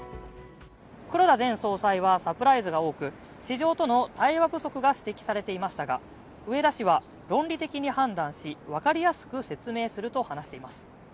黒田前総裁はサプライズが多く市場との対話不足が指摘されていましたが、植田氏は論理的に判断し、分かりやすく説明すると話しています。